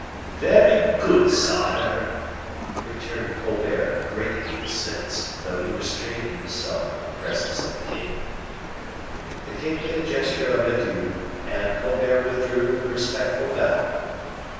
"Very good, sire," returned Colbert, greatly incensed, although he restrained himself in the presence of the king. The king made a gesture of adieu, and Colbert withdrew with a respectful bow.